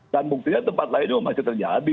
dan buktinya tempat lain juga masih terjadi